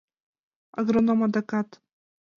Агроном адакат: